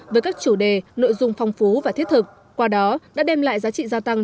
với các chủ đề nội dung phong phú và thiết thực qua đó đã đem lại giá trị gia tăng